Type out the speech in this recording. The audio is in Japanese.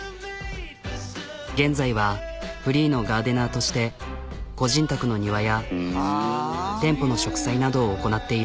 現在はフリーのガーデナーとして個人宅の庭や店舗の植栽などを行なっている。